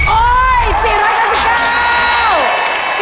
โอ้ย๔๙๙บาท